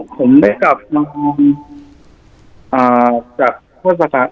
ผมได้กลับมาจากพฤษภาค